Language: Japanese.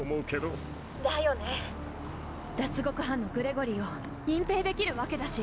だよね脱獄犯のグレゴリーを隠蔽できるわけだし。